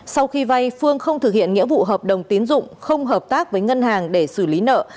sau khi vay phương không thực hiện nghĩa vụ hợp đồng tiến dụng không hợp tác với ngân hàng để xử lý nợ